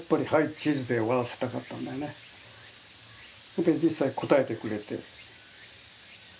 それで実際応えてくれて。